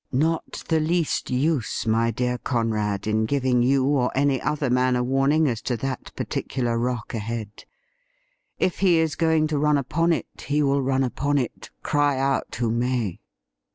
' Not the least use, my dear Conrad, in giving you or any other man a warning as to that particular rock ahead. If he is going to run upon it, he will run upon it, cry out who may.'